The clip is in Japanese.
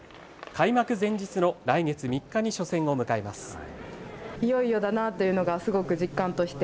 開幕前日の来月３日に初戦を迎えます。